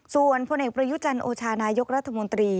ส่วนผู้เนกประยุจรรย์โอชานายกรัฐมนตรี